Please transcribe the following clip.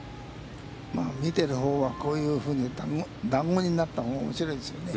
見てるほうは、こういうふうにだんごになったほうがおもしろいですよね。